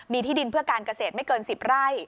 มีที่ดินเพื่อการเกษตรไม่เกิน๑๐ไร่